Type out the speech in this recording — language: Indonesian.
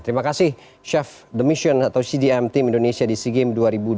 terima kasih chef the mission atau cdm team indonesia di sigim dua ribu dua puluh tiga